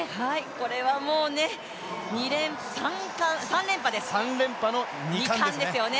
これはもうね、３連覇の２冠ですよね。